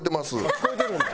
聞こえてるんだ。